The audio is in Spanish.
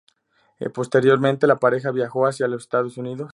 Posteriormente la pareja viajó hacia los Estados Unidos.